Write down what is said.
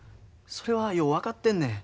それはよう分かってんねん。